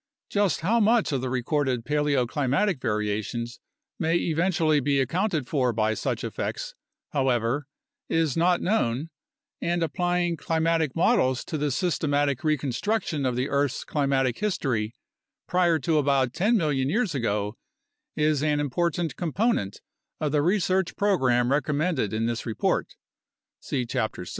Just how much of the recorded paleoclimatic variations may eventually be accounted for by such effects, however, is not known, and applying climatic models to the systematic reconstruc tion of the earth's climatic history prior to about 10 million years ago is an important component of the research program recommended in this report (see Chapter 6).